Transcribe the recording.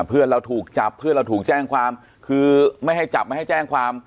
เพื่อนเราถูกจับเพื่อนเราถูกแจ้งความคือไม่ให้จับไม่ให้แจ้งความ